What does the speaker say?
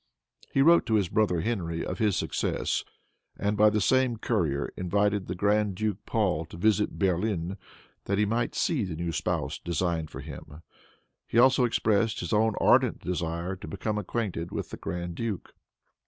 He wrote to his brother Henry of his success, and by the same courier invited the Grand Duke Paul to visit Berlin that he might see the new spouse designed for him. He also expressed his own ardent desire to become acquainted with the grand duke.